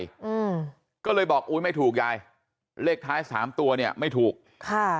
อืมก็เลยบอกอุ้ยไม่ถูกยายเลขท้ายสามตัวเนี้ยไม่ถูกค่ะ